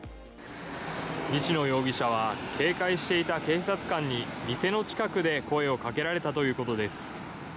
西野容疑者は警戒していた警察官に店の近くで声をかけられたということです。